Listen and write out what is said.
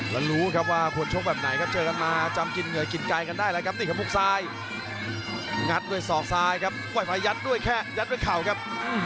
แล้วรู้ครับว่าควรชกแบบไหนครับเจอกันมาจำกินเหงื่อกินไกลกันได้แหละครับ